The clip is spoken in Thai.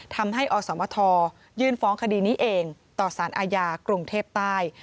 ทำให้อสมทยื่นฟ้องคดีนี้เองต่อสารอาญากรุงเทพใต้